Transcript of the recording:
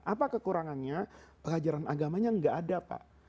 apa kekurangannya pelajaran agamanya nggak ada pak